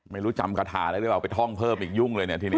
ไม่รู้จำคาถาได้หรือเปล่าไปท่องเพิ่มอีกยุ่งเลยเนี่ยทีนี้